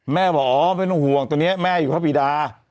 แม่บอกอ๋อไม่ต้องห่วงตอนนี้แม่อยู่พระปีดา